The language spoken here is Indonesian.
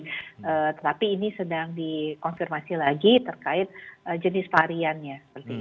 jadi tetapi ini sedang dikonfirmasi lagi terkait jenis variannya